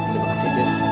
terima kasih cik